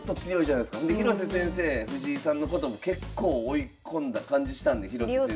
広瀬先生藤井さんのことも結構追い込んだ感じしたんで。